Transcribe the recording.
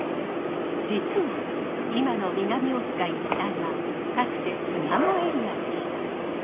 実は今の南大塚一帯はかつて巣鴨エリアでした。